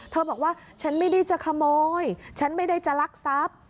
บอกว่าฉันไม่ได้จะขโมยฉันไม่ได้จะลักทรัพย์